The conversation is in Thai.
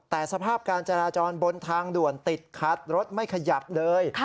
แต่สภาพการจราจรบนทางด่วนติดคัดรถไม่ขยับเลย